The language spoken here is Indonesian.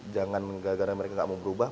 jangan karena mereka gak mau berubah